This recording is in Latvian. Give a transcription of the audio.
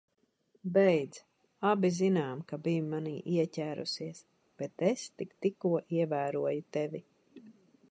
Beidz. Abi zinām, ka biji manī ieķērusies, bet es tik tikko ievēroju tevi.